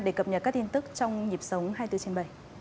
để cập nhật các tin tức trong nhịp sống hai mươi bốn trên bảy